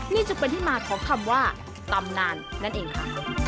นี่จึงเป็นที่มาของคำว่าตำนานนั่นเองค่ะ